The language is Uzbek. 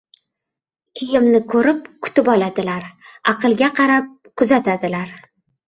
• Kiyimni ko‘rib kutib oladilar, aqlga qarab kuzatadilar.